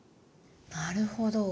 なるほど。